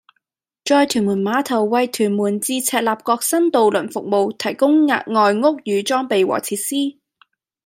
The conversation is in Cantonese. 在屯門碼頭為屯門至赤鱲角新渡輪服務提供額外屋宇裝備和設施